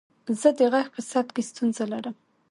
زه د غږ په ثبت کې ستونزه لرم.